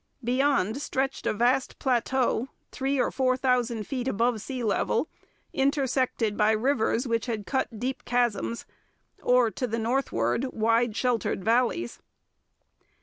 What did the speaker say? Beyond stretched a vast plateau, three or four thousand feet above sea level, intersected by rivers which had cut deep chasms or, to the northward, wide sheltered valleys.